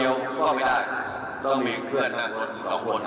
อ่ะนายยกถามว่าถ้าใช้มาตรการเด็ดขาดประชาชนโอ้โหมันก็ไม่มีความคิดว่าจะต้องการแบบนี้